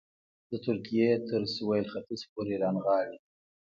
د ترکیې تر سوېل ختیځ پورې رانغاړي.